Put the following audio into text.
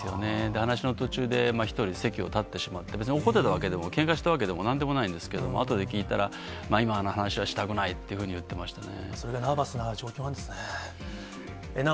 話の途中で１人、席を立ってしまって、別に怒ってたわけでも、けんかしたわけでもなんでもないんですけど、後で聞いたら、今の話はしたくないというふうに言ってましたね。